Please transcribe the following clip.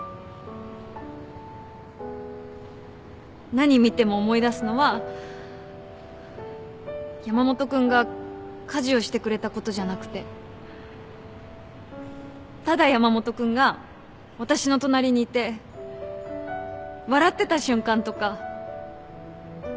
何見ても思い出すのは山本君が家事をしてくれたことじゃなくてただ山本君が私の隣にいて笑ってた瞬間とか。